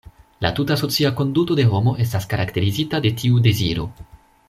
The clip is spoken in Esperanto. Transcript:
La tuta socia konduto de homo estas karakterizita de tiu deziro.